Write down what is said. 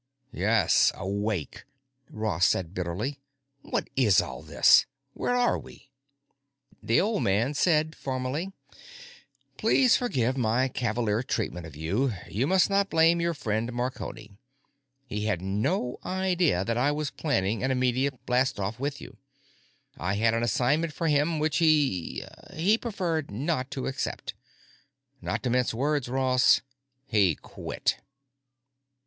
"Yes, awake!" Ross said bitterly. "What is all this? Where are we?" The old man said formally, "Please forgive my cavalier treatment of you. You must not blame your friend Marconi; he had no idea that I was planning an immediate blastoff with you. I had an assignment for him which he—he preferred not to accept. Not to mince words, Ross, he quit."